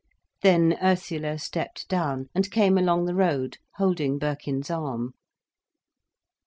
Then Ursula stepped down, and came along the road, holding Birkin's arm.